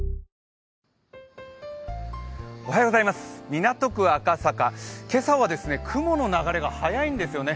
港区赤坂、今朝は雲の流れが速いんですよね。